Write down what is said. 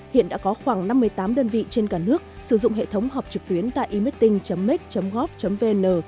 hiện đã có khoảng năm mươi tám đơn vị trên cả nước sử dụng hệ thống họp trực tuyến tại emiting mec gov vn